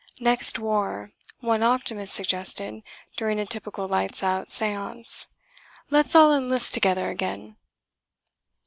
"Next war," one optimist suggested during a typical Lights Out séance, "let's all enlist together again."